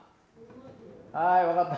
はい分かった。